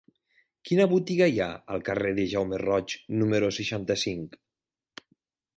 Quina botiga hi ha al carrer de Jaume Roig número seixanta-cinc?